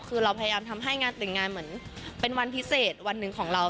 คือเราพยายามทำให้งานแต่งงานเหมือนเป็นวันพิเศษวันหนึ่งของเรา